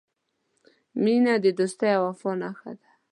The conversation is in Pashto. • مینه د دوستۍ او وفا نښه ده.